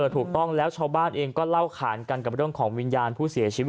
ถูกต้องแล้วชาวบ้านเองก็เล่าขานกันกับเรื่องของวิญญาณผู้เสียชีวิต